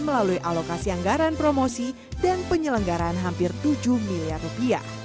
melalui alokasi anggaran promosi dan penyelenggaran hampir tujuh miliar rupiah